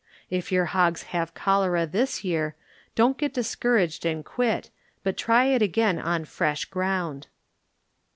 If your hogs have chol era this year, don't get discouraged and quit, but try it again, on fresh ground.